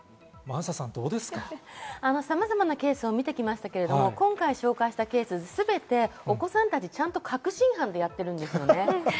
さまざまなケースを見ましたが、今回紹介したケース、全てお子さんたちが確信犯でやってますよね。